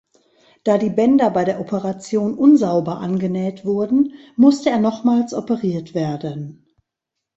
Da die Bänder bei der Operation unsauber angenäht wurden, musste er nochmals operiert werden.